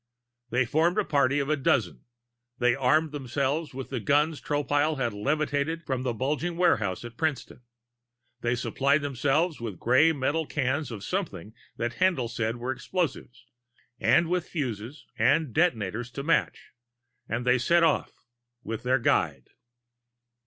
They formed a party of a dozen. They armed themselves with the guns Tropile had levitated from the bulging warehouse at Princeton. They supplied themselves with gray metal cans of something that Haendl said were explosives, and with fuses and detonators to match, and they set off with their guide.